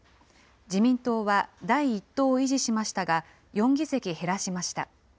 自民党は第１党を維持しましたが、４議席減らしました。